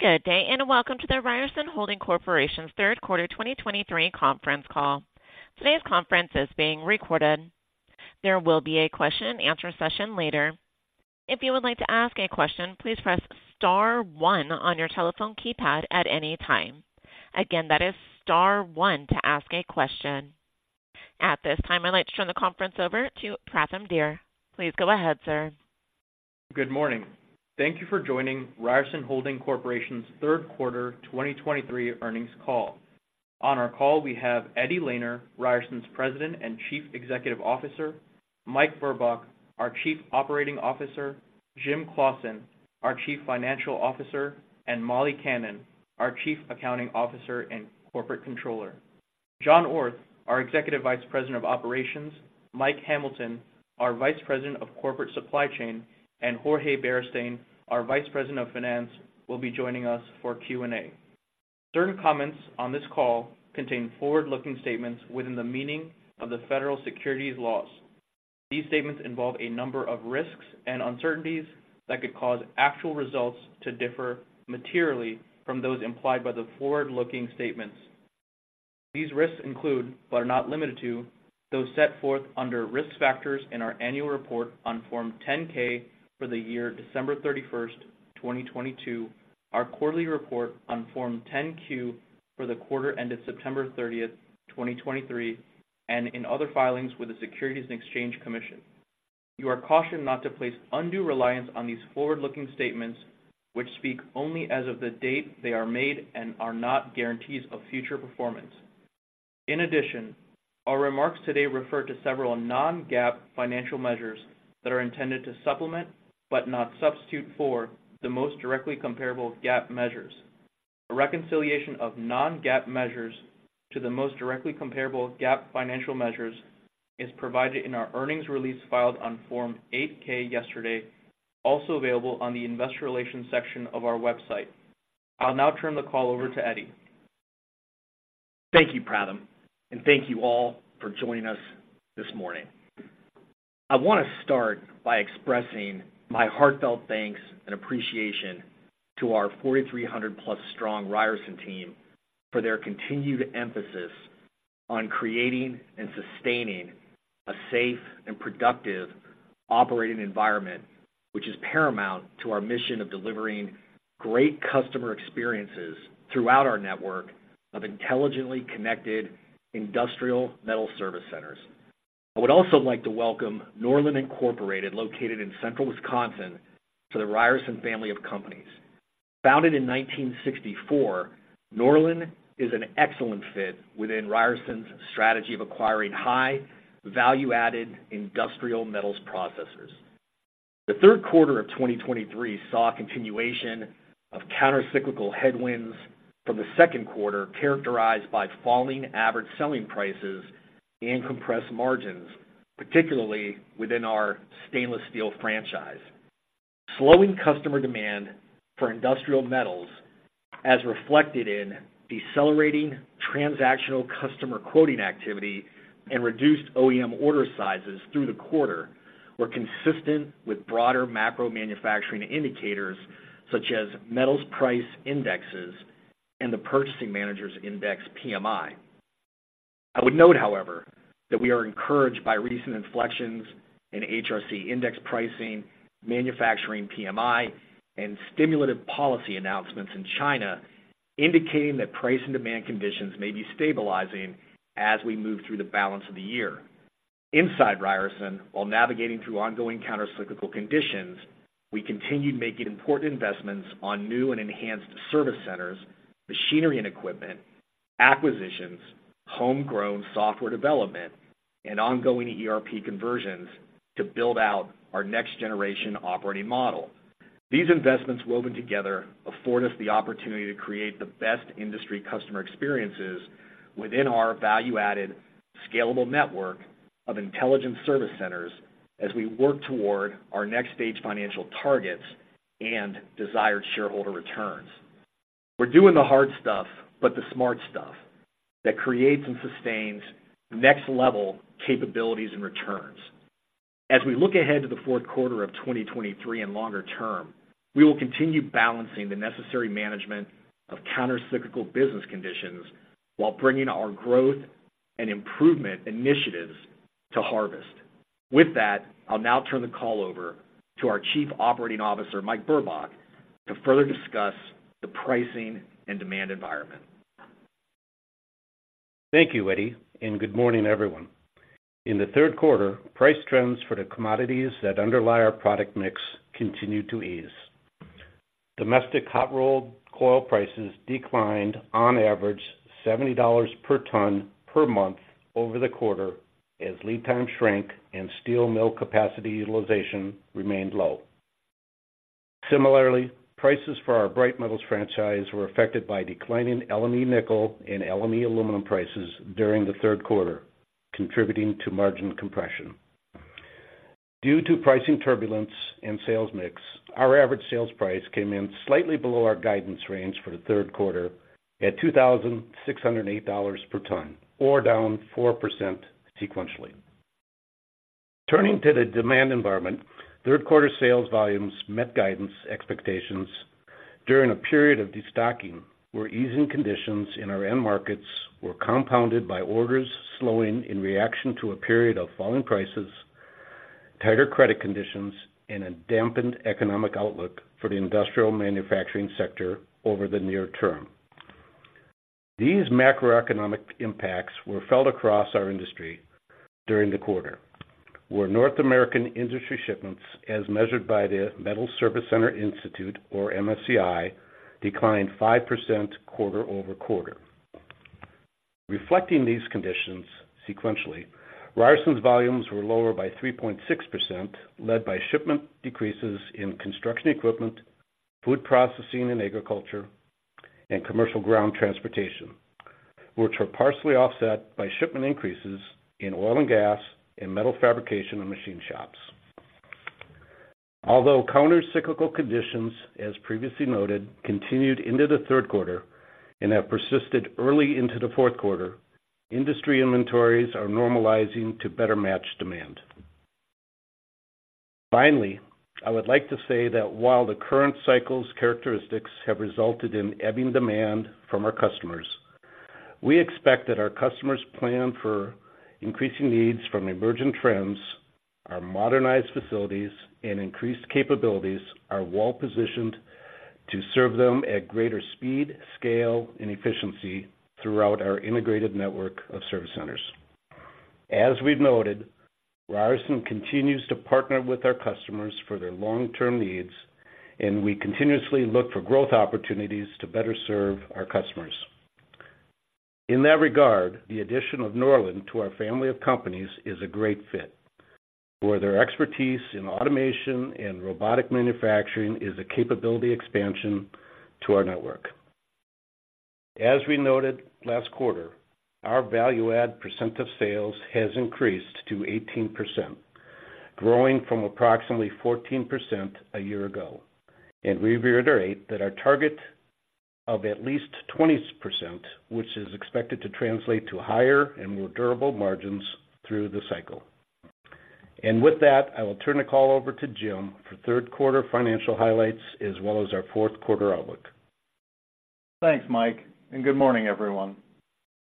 Good day, and welcome to the Ryerson Holding Corporation's third quarter 2023 conference call. Today's conference is being recorded. There will be a question and answer session later. If you would like to ask a question, please press star one on your telephone keypad at any time. Again, that is star one to ask a question. At this time, I'd like to turn the conference over to Pratham Dear. Please go ahead, sir. Good morning. Thank you for joining Ryerson Holding Corporation's Third Quarter 2023 Earnings Call. On our call, we have Eddie Lehner, Ryerson's President and Chief Executive Officer, Mike Burbach, our Chief Operating Officer, Jim Claussen, our Chief Financial Officer, and Molly Kannan, our Chief Accounting Officer and Corporate Controller. John Orth, our Executive Vice President of Operations, Mike Hamilton, our Vice President of Corporate Supply Chain, and Jorge Beristain, our Vice President of Finance, will be joining us for Q&A. Certain comments on this call contain forward-looking statements within the meaning of the federal securities laws. These statements involve a number of risks and uncertainties that could cause actual results to differ materially from those implied by the forward-looking statements. These risks include, but are not limited to, those set forth under Risk Factors in our annual report on Form 10-K for the year December 31, 2022, our quarterly report on Form 10-Q for the quarter ended September 30, 2023, and in other filings with the Securities and Exchange Commission. You are cautioned not to place undue reliance on these forward-looking statements, which speak only as of the date they are made and are not guarantees of future performance. In addition, our remarks today refer to several non-GAAP financial measures that are intended to supplement, but not substitute for, the most directly comparable GAAP measures. A reconciliation of non-GAAP measures to the most directly comparable GAAP financial measures is provided in our earnings release filed on Form 8-K yesterday, also available on the Investor Relations section of our website. I'll now turn the call over to Eddie. Thank you, Pratham, and thank you all for joining us this morning. I want to start by expressing my heartfelt thanks and appreciation to our 4,300+ strong Ryerson team for their continued emphasis on creating and sustaining a safe and productive operating environment, which is paramount to our mission of delivering great customer experiences throughout our network of intelligently connected industrial metal service centers. I would also like to welcome Norlen Incorporated, located in central Wisconsin, to the Ryerson family of companies. Founded in 1964, Norlen is an excellent fit within Ryerson's strategy of acquiring high-value-added industrial metals processors. The third quarter of 2023 saw a continuation of countercyclical headwinds from the second quarter, characterized by falling average selling prices and compressed margins, particularly within our stainless-steel franchise. Slowing customer demand for industrial metals, as reflected in decelerating transactional customer quoting activity and reduced OEM order sizes through the quarter, were consistent with broader macro manufacturing indicators such as metals price indexes and the Purchasing Managers Index, PMI. I would note, however, that we are encouraged by recent inflections in HRC index pricing, manufacturing PMI, and stimulative policy announcements in China, indicating that price and demand conditions may be stabilizing as we move through the balance of the year. Inside Ryerson, while navigating through ongoing countercyclical conditions, we continued making important investments on new and enhanced service centers, machinery and equipment, acquisitions, homegrown software development, and ongoing ERP conversions to build out our next-generation operating model. These investments, woven together, afford us the opportunity to create the best industry customer experiences within our value-added, scalable network of intelligent service centers as we work toward our next-stage financial targets and desired shareholder returns. We're doing the hard stuff, but the smart stuff that creates and sustains next-level capabilities and returns. As we look ahead to the fourth quarter of 2023 and longer term, we will continue balancing the necessary management of countercyclical business conditions while bringing our growth and improvement initiatives to harvest. With that, I'll now turn the call over to our Chief Operating Officer, Mike Burbach, to further discuss the pricing and demand environment. Thank you, Eddie, and good morning, everyone. In the third quarter, price trends for the commodities that underlie our product mix continued to ease. Domestic hot-rolled coil prices declined on average $70 per ton per month over the quarter as lead times shrank and steel mill capacity utilization remained low. Similarly, prices for our bright metals franchise were affected by declining LME nickel and LME aluminum prices during the third quarter, contributing to margin compression. Due to pricing turbulence and sales mix, our average sales price came in slightly below our guidance range for the third quarter at $2,608 per ton, or down 4% sequentially. Turning to the demand environment, third quarter sales volumes met guidance expectations during a period of destocking, where easing conditions in our end markets were compounded by orders slowing in reaction to a period of falling prices, tighter credit conditions, and a dampened economic outlook for the industrial manufacturing sector over the near term. These macroeconomic impacts were felt across our industry during the quarter, where North American industry shipments, as measured by the Metal Service Center Institute, or MSCI, declined 5% quarter-over-quarter. Reflecting these conditions sequentially, Ryerson's volumes were lower by 3.6%, led by shipment decreases in construction equipment, food processing and agriculture, and commercial ground transportation, which were partially offset by shipment increases in oil and gas and metal fabrication and machine shops. Although countercyclical conditions, as previously noted, continued into the third quarter and have persisted early into the fourth quarter, industry inventories are normalizing to better match demand. Finally, I would like to say that while the current cycle's characteristics have resulted in ebbing demand from our customers, we expect that our customers plan for increasing needs from emerging trends. Our modernized facilities and increased capabilities are well-positioned to serve them at greater speed, scale, and efficiency throughout our integrated network of service centers. As we've noted, Ryerson continues to partner with our customers for their long-term needs, and we continuously look for growth opportunities to better serve our customers. In that regard, the addition of Norlen to our family of companies is a great fit, where their expertise in automation and robotic manufacturing is a capability expansion to our network. As we noted last quarter, our value-add percent of sales has increased to 18%, growing from approximately 14% a year ago. We reiterate that our target of at least 20%, which is expected to translate to higher and more durable margins through the cycle. With that, I will turn the call over to Jim for third quarter financial highlights as well as our fourth quarter outlook. Thanks, Mike, and good morning, everyone.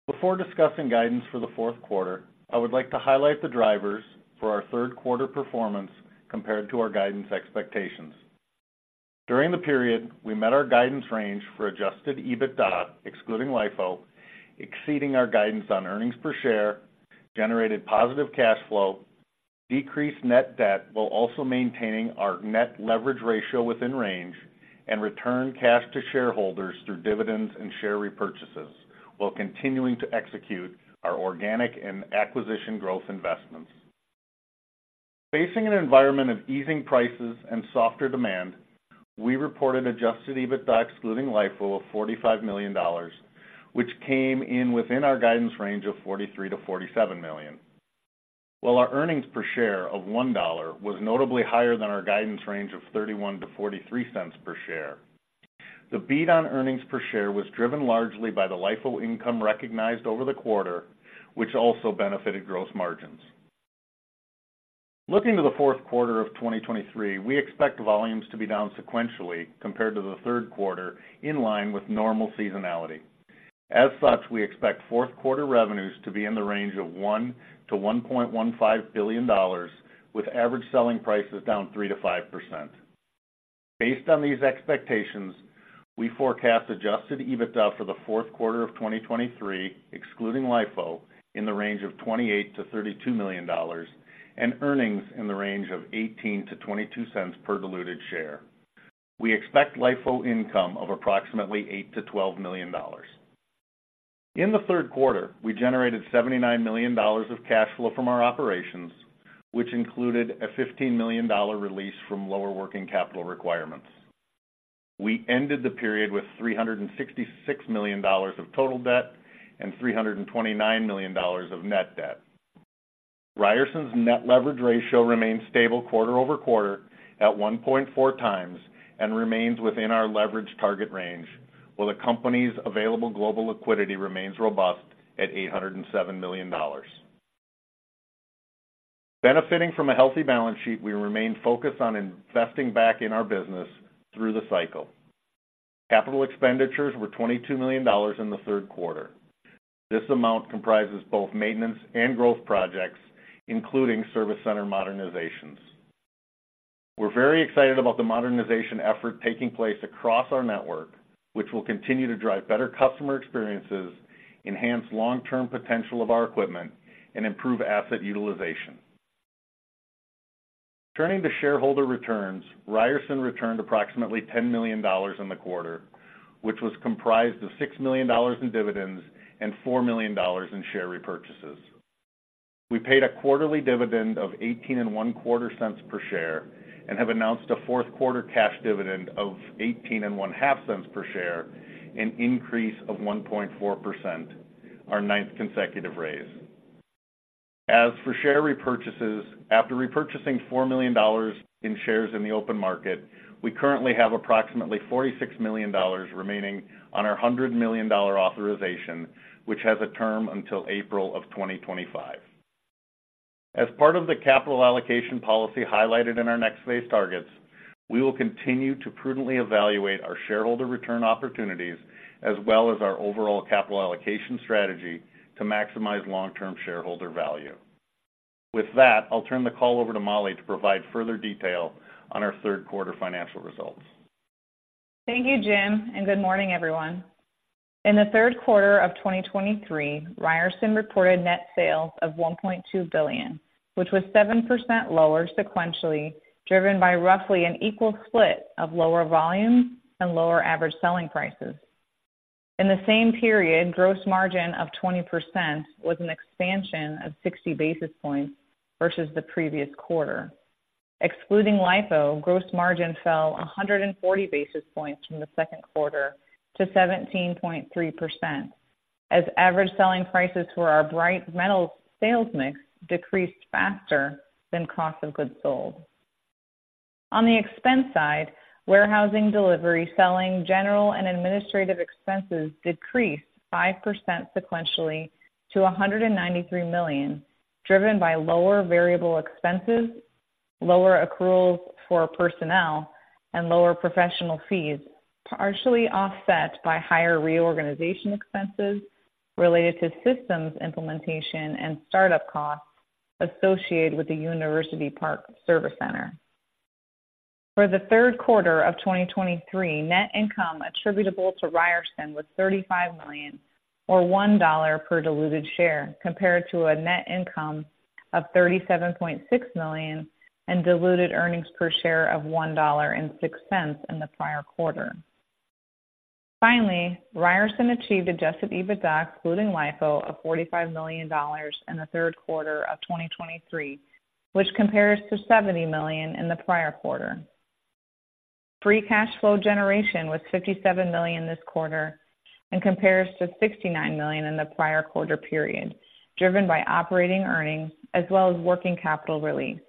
Before discussing guidance for the fourth quarter, I would like to highlight the drivers for our third quarter performance compared to our guidance expectations. During the period, we met our guidance range for adjusted EBITDA, excluding LIFO, exceeding our guidance on earnings per share, generated positive cash flow, decreased net debt, while also maintaining our net leverage ratio within range, and returned cash to shareholders through dividends and share repurchases, while continuing to execute our organic and acquisition growth investments. Facing an environment of easing prices and softer demand, we reported adjusted EBITDA, excluding LIFO, of $45 million, which came in within our guidance range of $43 million-$47 million. While our earnings per share of $1 was notably higher than our guidance range of $0.31-$0.43 per share, the beat on earnings per share was driven largely by the LIFO income recognized over the quarter, which also benefited gross margins. Looking to the fourth quarter of 2023, we expect volumes to be down sequentially compared to the third quarter, in line with normal seasonality. As such, we expect fourth quarter revenues to be in the range of $1 billion-$1.15 billion, with average selling prices down 3%-5%. Based on these expectations, we forecast adjusted EBITDA for the fourth quarter of 2023, excluding LIFO, in the range of $28 million-$32 million and earnings in the range of $0.18-$0.22 per diluted share. We expect LIFO income of approximately $8 million-$12 million. In the third quarter, we generated $79 million of cash flow from our operations, which included a $15 million release from lower working capital requirements. We ended the period with $366 million of total debt and $329 million of net debt. Ryerson's net leverage ratio remains stable quarter-over-quarter at 1.4x and remains within our leverage target range, while the company's available global liquidity remains robust at $807 million. Benefiting from a healthy balance sheet, we remain focused on investing back in our business through the cycle. Capital expenditures were $22 million in the third quarter. This amount comprises both maintenance and growth projects, including service center modernizations. We're very excited about the modernization effort taking place across our network, which will continue to drive better customer experiences, enhance long-term potential of our equipment, and improve asset utilization. Turning to shareholder returns, Ryerson returned approximately $10 million in the quarter, which was comprised of $6 million in dividends and $4 million in share repurchases. We paid a quarterly dividend of $0.1825 per share and have announced a fourth quarter cash dividend of $0.1850 per share, an increase of 1.4%, our ninth consecutive raise. As for share repurchases, after repurchasing $4 million in shares in the open market, we currently have approximately $46 million remaining on our $100 million authorization, which has a term until April 2025. As part of the capital allocation policy highlighted in our next phase targets, we will continue to prudently evaluate our shareholder return opportunities, as well as our overall capital allocation strategy to maximize long-term shareholder value. With that, I'll turn the call over to Molly to provide further detail on our third quarter financial results. Thank you, Jim, and good morning, everyone. In the third quarter of 2023, Ryerson reported net sales of $1.2 billion, which was 7% lower sequentially, driven by roughly an equal split of lower volumes and lower average selling prices. In the same period, gross margin of 20% was an expansion of 60 basis points versus the previous quarter. Excluding LIFO, gross margin fell 140 basis points from the second quarter to 17.3%, as average selling prices for our bright metal sales mix decreased faster than cost of goods sold. On the expense side, warehousing, delivery, selling, general, and administrative expenses decreased 5% sequentially to $193 million, driven by lower variable expenses, lower accruals for personnel, and lower professional fees, partially offset by higher reorganization expenses related to systems implementation and startup costs associated with the University Park Service Center. For the third quarter of 2023, net income attributable to Ryerson was $35 million, or $1 per diluted share, compared to a net income of $37.6 million and diluted earnings per share of $1.06 in the prior quarter. Finally, Ryerson achieved adjusted EBITDA, excluding LIFO, of $45 million in the third quarter of 2023, which compares to $70 million in the prior quarter. Free cash flow generation was $57 million this quarter and compares to $69 million in the prior quarter period, driven by operating earnings as well as working capital relief.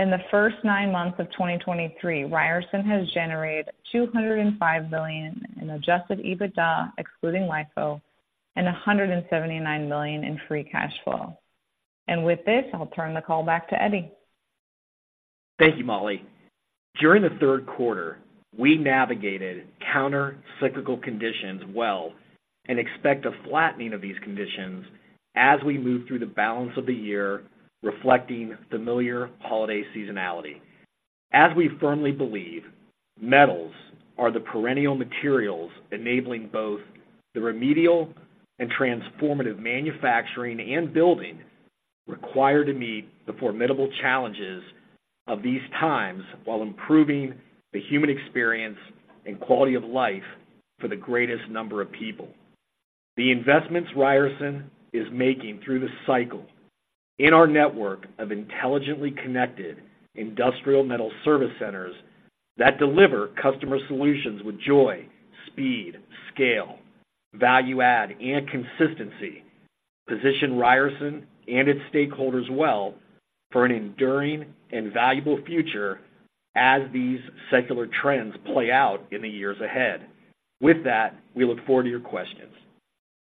In the first nine months of 2023, Ryerson has generated $205 million in adjusted EBITDA, excluding LIFO, and $179 million in free cash flow. With this, I'll turn the call back to Eddie. Thank you, Molly. During the third quarter, we navigated countercyclical conditions well and expect a flattening of these conditions as we move through the balance of the year, reflecting familiar holiday seasonality. As we firmly believe, metals are the perennial materials enabling both the remedial and transformative manufacturing and building required to meet the formidable challenges of these times, while improving the human experience and quality of life for the greatest number of people. The investments Ryerson is making through the cycle in our network of intelligently connected industrial metal service centers that deliver customer solutions with joy, speed, scale, value add, and consistency, position Ryerson and its stakeholders well for an enduring and valuable future as these secular trends play out in the years ahead. With that, we look forward to your questions.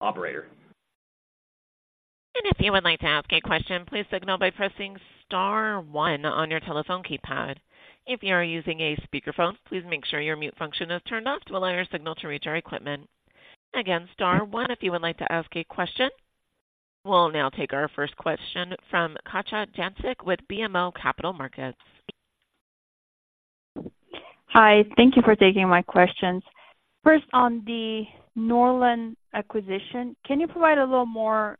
Operator? If you would like to ask a question, please signal by pressing star one on your telephone keypad. If you are using a speakerphone, please make sure your mute function is turned off to allow your signal to reach our equipment. Again, star one, if you would like to ask a question. We'll now take our first question from Katja Jancic with BMO Capital Markets. Hi, thank you for taking my questions. First, on the Norlen acquisition, can you provide a little more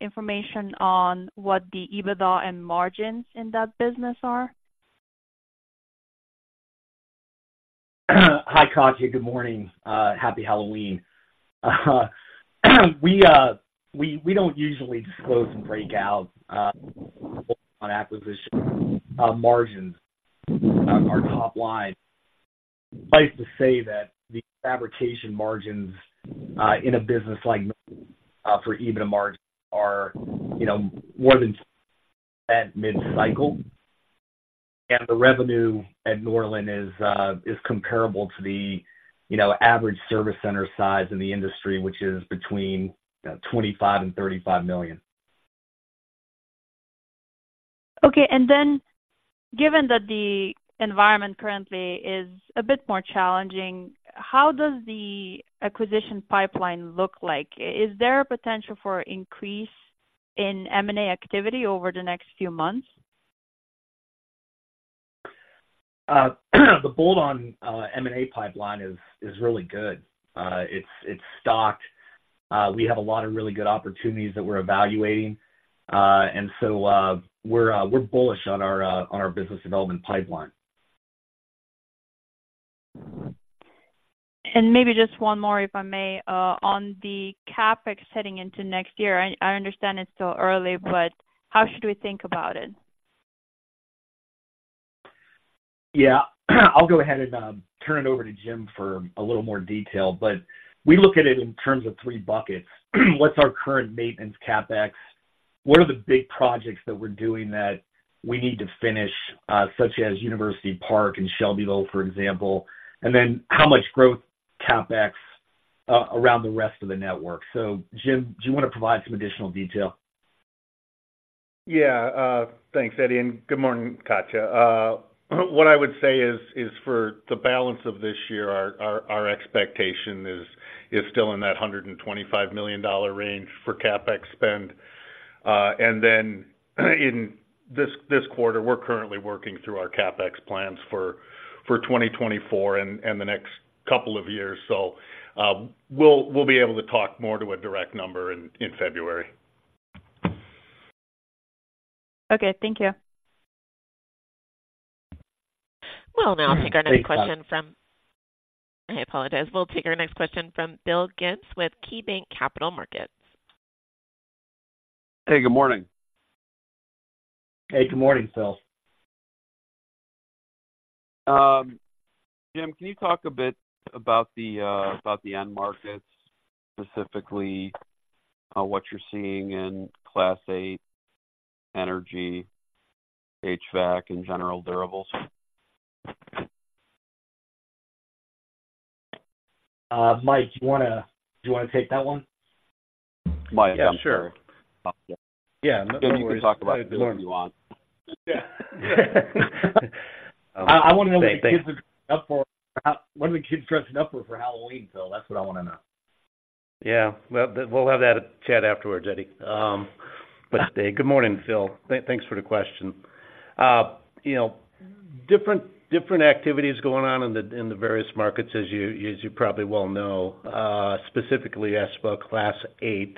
information on what the EBITDA and margins in that business are? Hi, Katja. Good morning. Happy Halloween. We don't usually disclose and break out on acquisition margins on our top line. Suffice to say that the fabrication margins in a business like for EBITDA margins are, you know, more than at mid-cycle. And the revenue at Norlen is comparable to the, you know, average service center size in the industry, which is between $25 million and $35 million. Okay, given that the environment currently is a bit more challenging, how does the acquisition pipeline look like? Is there a potential for increase in M&A activity over the next few months? The bolt-on M&A pipeline is really good. It's stocked. We have a lot of really good opportunities that we're evaluating, and so we're bullish on our business development pipeline. Maybe just one more, if I may. On the CapEx heading into next year, I understand it's still early, but how should we think about it? Yeah, I'll go ahead and turn it over to Jim for a little more detail, but we look at it in terms of three buckets. What's our current maintenance CapEx? What are the big projects that we're doing that we need to finish, such as University Park and Shelbyville, for example? And then how much growth CapEx? around the rest of the network. So, Jim, do you want to provide some additional detail? Yeah, thanks, Eddie, and good morning, Katja. What I would say is, for the balance of this year, our expectation is still in that $125 million range for CapEx spend. And then, in this quarter, we're currently working through our CapEx plans for 2024 and the next couple of years. So, we'll be able to talk more to a direct number in February. Okay. Thank you. We'll now take our next question from—I apologize. We'll take our next question from Phil Gibbs with KeyBanc Capital Markets. Hey, good morning. Hey, good morning, Phil. Jim, can you talk a bit about the end markets, specifically, what you're seeing in Class 8, energy, HVAC, and general durables? Mike, do you wanna take that one? Yeah, sure. Yeah. You can talk about whatever you want. Yeah. I wanna know what the kids are up for, what are the kids dressing up for, for Halloween, Phil? That's what I wanna know. Yeah. Well, we'll have that chat afterwards, Eddie. But good morning, Phil. Thanks for the question. You know, different activities going on in the various markets, as you probably well know. Specifically, as for Class 8,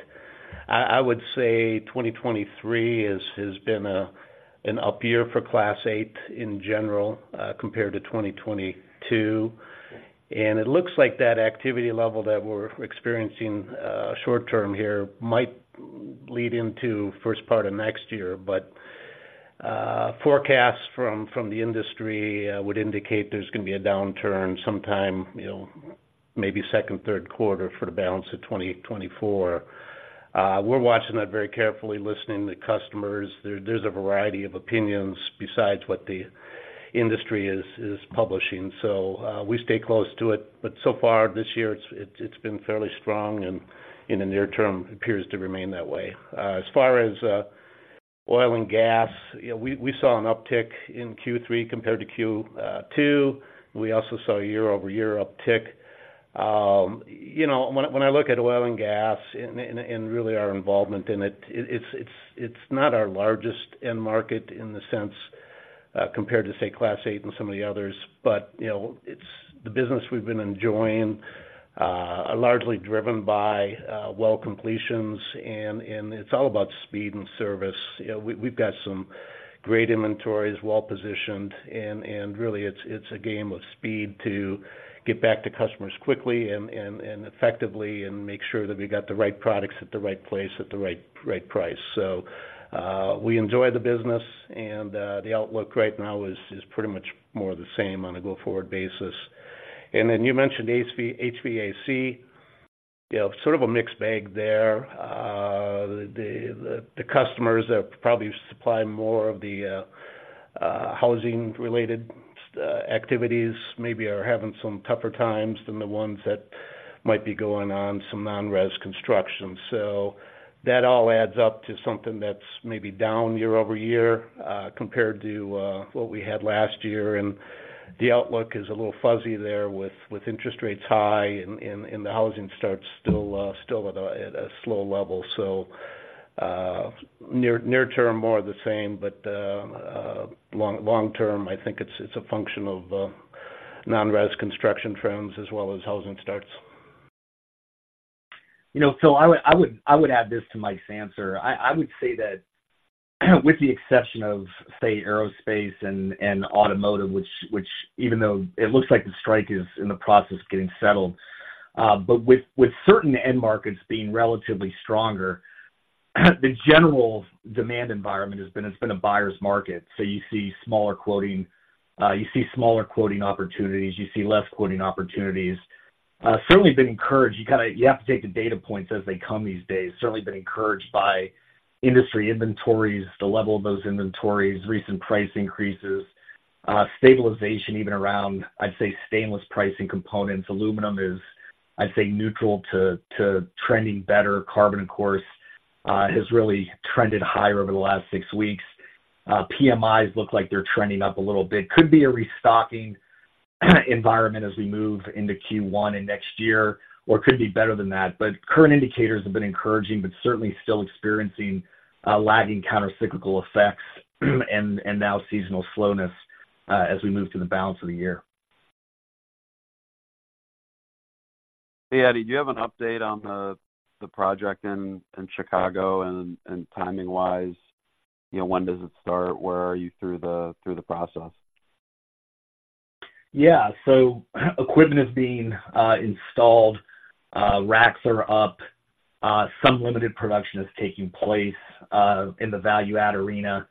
I would say 2023 has been an up year for Class 8 in general, compared to 2022. And it looks like that activity level that we're experiencing short term here might lead into first part of next year. But forecasts from the industry would indicate there's gonna be a downturn sometime, you know, maybe second, third quarter for the balance of 2024. We're watching that very carefully, listening to customers. There's a variety of opinions besides what the industry is publishing, so we stay close to it. But so far, this year, it's been fairly strong, and in the near term, it appears to remain that way. As far as oil and gas, you know, we saw an uptick in Q3 compared to Q2. We also saw a year-over-year uptick. You know, when I look at oil and gas and really our involvement in it, it's not our largest end market in the sense compared to, say, Class 8 and some of the others, but you know, it's the business we've been enjoying, largely driven by well completions, and it's all about speed and service. You know, we've, we've got some great inventories, well-positioned, and, and really, it's, it's a game of speed to get back to customers quickly and, and, and effectively and make sure that we got the right products at the right place, at the right, right price. So, we enjoy the business, and, the outlook right now is, is pretty much more the same on a go-forward basis. And then you mentioned HV- HVAC. You know, sort of a mixed bag there. The customers that probably supply more of the housing-related activities maybe are having some tougher times than the ones that might be going on some non-res construction. So that all adds up to something that's maybe down year-over-year, compared to what we had last year. And the outlook is a little fuzzy there with interest rates high and the housing starts still at a slow level. So, near term, more of the same, but long term, I think it's a function of non-res construction trends as well as housing starts. You know, Phil, I would add this to Mike's answer. I would say that with the exception of, say, aerospace and automotive, which even though it looks like the strike is in the process of getting settled, but with certain end markets being relatively stronger, the general demand environment has been; it's been a buyer's market. So you see smaller quoting opportunities, you see less quoting opportunities. Certainly been encouraged. You have to take the data points as they come these days. Certainly been encouraged by industry inventories, the level of those inventories, recent price increases, stabilization, even around, I'd say, stainless pricing components. Aluminum is, I'd say, neutral to trending better. Carbon, of course, has really trended higher over the last six weeks. PMIs look like they're trending up a little bit. Could be a restocking environment as we move into Q1 and next year, or could be better than that. But current indicators have been encouraging, but certainly still experiencing a lagging countercyclical effects, and now seasonal slowness, as we move to the balance of the year. Hey, Eddie, do you have an update on the project in Chicago, and timing-wise, you know, when does it start? Where are you through the process? Yeah. So equipment is being installed, racks are up. Some limited production is taking place in the value add arena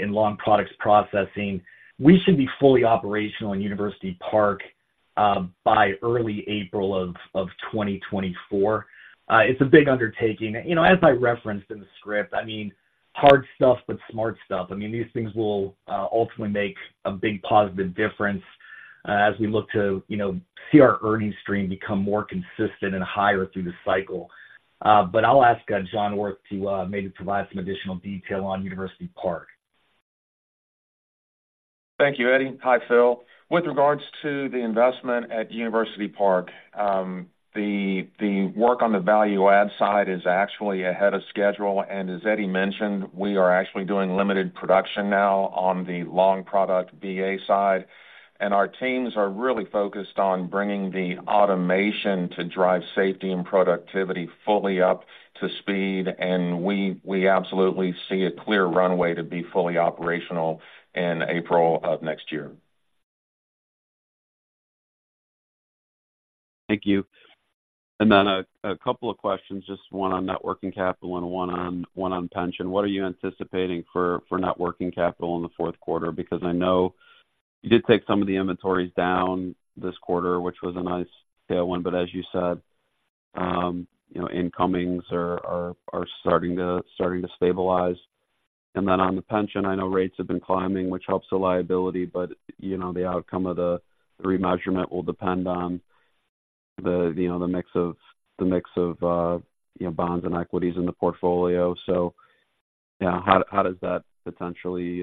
in long products processing. We should be fully operational in University Park by early April of 2024. It's a big undertaking. You know, as I referenced in the script, I mean hard stuff, but smart stuff. I mean, these things will ultimately make a big positive difference as we look to, you know, see our earnings stream become more consistent and higher through the cycle. But I'll ask John Orth to maybe provide some additional detail on University Park. Thank you, Eddie. Hi, Phil. With regards to the investment at University Park, the work on the value add side is actually ahead of schedule, and as Eddie mentioned, we are actually doing limited production now on the long product BA side, and our teams are really focused on bringing the automation to drive safety and productivity fully up to speed, and we absolutely see a clear runway to be fully operational in April of next year. Thank you. Then a couple of questions, just one on net working capital and one on pension. What are you anticipating for net working capital in the fourth quarter? Because I know you did take some of the inventories down this quarter, which was a nice tailwind, but as you said, you know, incomings are starting to stabilize. Then on the pension, I know rates have been climbing, which helps the liability, but, you know, the outcome of the remeasurement will depend on the, you know, the mix of bonds and equities in the portfolio. Yeah, how does that potentially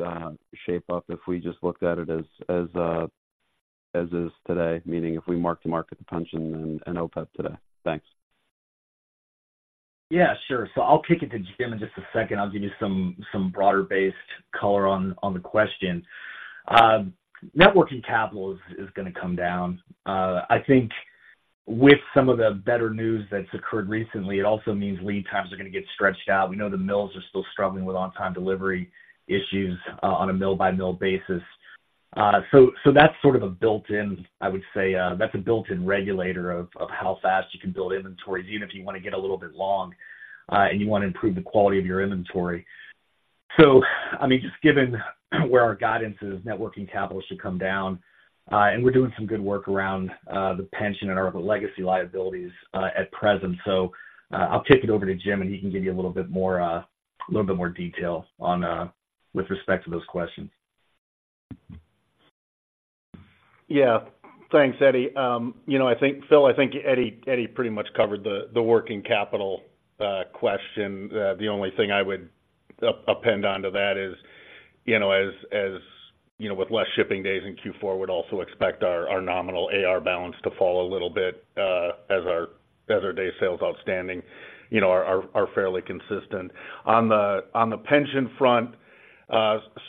shape up if we just looked at it as is today, meaning if we mark-to-market the pension and OPEB today? Thanks. Yeah, sure. So I'll kick it to Jim in just a second. I'll give you some broader-based color on the question. Net working capital is gonna come down. I think with some of the better news that's occurred recently, it also means lead times are gonna get stretched out. We know the mills are still struggling with on-time delivery issues on a mill-by-mill basis. So that's sort of a built-in, I would say, that's a built-in regulator of how fast you can build inventories, even if you want to get a little bit long and you want to improve the quality of your inventory. So, I mean, just given where our guidance is, net working capital should come down. And we're doing some good work around the pension and our legacy liabilities at present. So, I'll kick it over to Jim, and he can give you a little bit more, a little bit more detail on, with respect to those questions. Yeah. Thanks, Eddie. You know, I think, Phil, I think Eddie pretty much covered the working capital question. The only thing I would append onto that is, you know, as you know, with less shipping days in Q4, would also expect our nominal AR balance to fall a little bit, as our day sales outstanding, you know, are fairly consistent. On the pension front,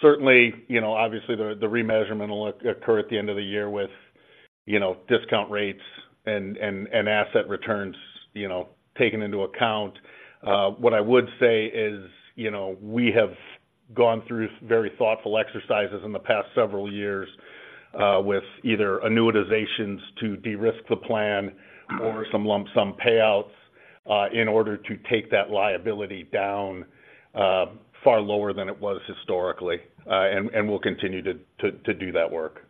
certainly, you know, obviously, the remeasurement will occur at the end of the year with, you know, discount rates and asset returns, you know, taken into account. What I would say is, you know, we have gone through very thoughtful exercises in the past several years with either annuitizations to de-risk the plan or some lump sum payouts in order to take that liability down far lower than it was historically. And we'll continue to do that work.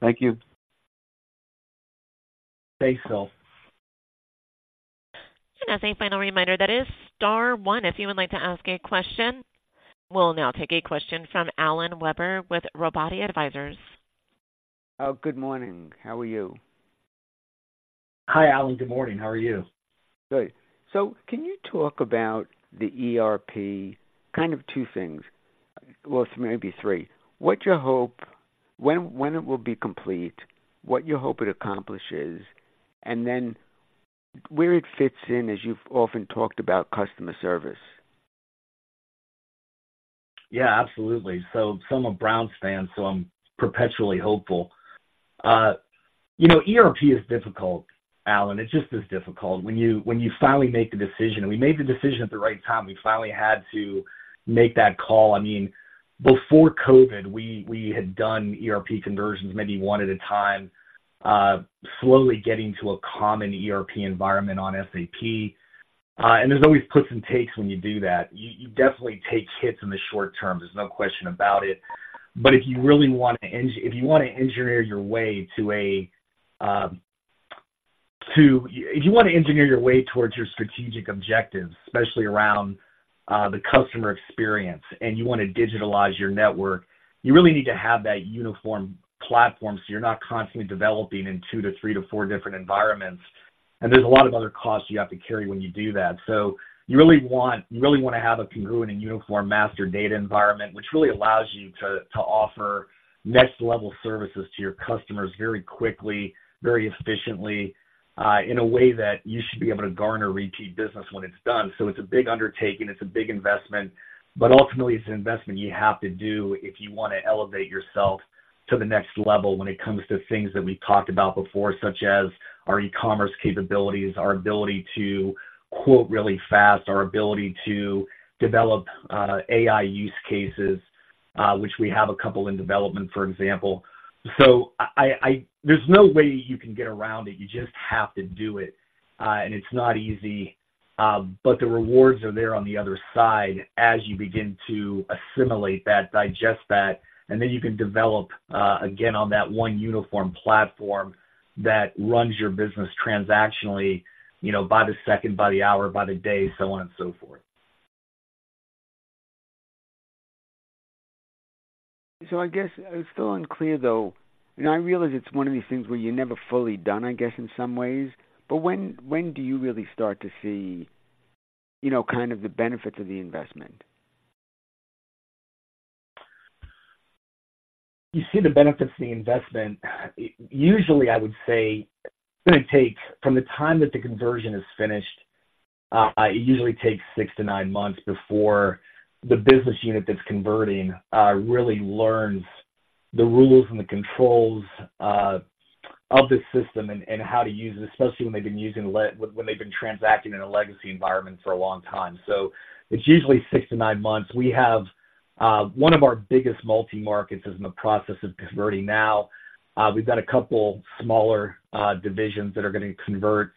Thank you. Thanks, Phil. As a final reminder, that is star one, if you would like to ask a question. We'll now take a question from Alan Weber with Robotti Advisors. Good morning. How are you? Hi, Alan. Good morning. How are you? Good. So can you talk about the ERP, kind of two things? Well, maybe three. What's your hope, when, when it will be complete, what you hope it accomplishes, and then where it fits in, as you've often talked about customer service? Yeah, absolutely. So I'm a Browns fan, so I'm perpetually hopeful. You know, ERP is difficult, Alan. It's just difficult. When you finally make the decision, and we made the decision at the right time, we finally had to make that call. I mean, before COVID, we had done ERP conversions, maybe one at a time, slowly getting to a common ERP environment on SAP. And there's always puts and takes when you do that. You definitely take hits in the short term, there's no question about it. But if you really want to engineer your way to a, to... If you want to engineer your way towards your strategic objectives, especially around the customer experience, and you want to digitalize your network, you really need to have that uniform platform, so you're not constantly developing in two to three to four different environments. And there's a lot of other costs you have to carry when you do that. So you really want, you really want to have a congruent and uniform master data environment, which really allows you to offer next-level services to your customers very quickly, very efficiently, in a way that you should be able to garner repeat business when it's done. So it's a big undertaking, it's a big investment, but ultimately, it's an investment you have to do if you want to elevate yourself to the next level when it comes to things that we talked about before, such as our e-commerce capabilities, our ability to quote really fast, our ability to develop AI use cases, which we have a couple in development, for example. So there's no way you can get around it. You just have to do it. And it's not easy, but the rewards are there on the other side as you begin to assimilate that, digest that, and then you can develop again on that one uniform platform that runs your business transactionally, you know, by the second, by the hour, by the day, so on and so forth. So I guess it's still unclear, though, and I realize it's one of these things where you're never fully done, I guess, in some ways. But when do you really start to see, you know, kind of the benefits of the investment? You see the benefits of the investment, usually, I would say it takes from the time that the conversion is finished, it usually takes six to nine months before the business unit that's converting really learns the rules and the controls of the system and how to use it, especially when they've been transacting in a legacy environment for a long time. So it's usually six to nine months. We have one of our biggest multi-markets in the process of converting now. We've got a couple smaller divisions that are going to convert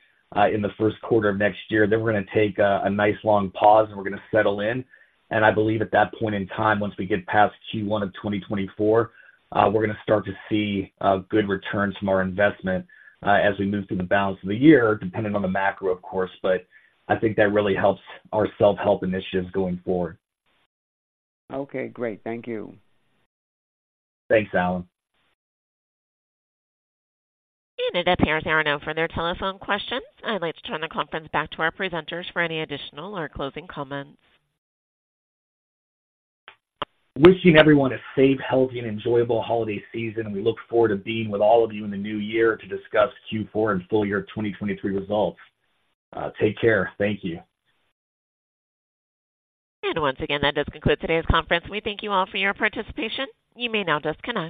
in the first quarter of next year. Then we're gonna take a nice long pause and we're gonna settle in, and I believe at that point in time, once we get past Q1 of 2024, we're gonna start to see good returns from our investment as we move through the balance of the year, depending on the macro, of course, but I think that really helps our self-help initiatives going forward. Okay, great. Thank you. Thanks, Alan. It appears there are no further telephone questions. I'd like to turn the conference back to our presenters for any additional or closing comments. Wishing everyone a safe, healthy, and enjoyable holiday season, and we look forward to being with all of you in the new year to discuss Q4 and full year 2023 results. Take care. Thank you. Once again, that does conclude today's conference. We thank you all for your participation. You may now disconnect.